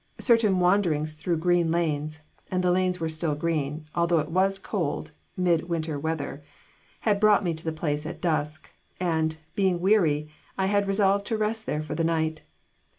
Certain wanderings through green lanes (and the lanes were still green, although it was cold, mid winter weather) had brought me to the place at dusk, and, being weary, I had resolved to rest there for the night.